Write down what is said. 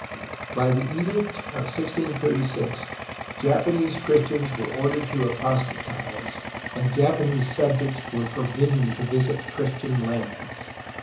By the edict of 1636 Japanese Christians were ordered to apostatize, and Japanese subjects were forbidden to visit Christian lands.